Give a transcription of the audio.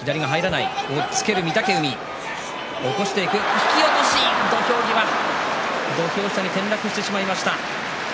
突き落とし、土俵際土俵下に転落してしまいました御嶽海。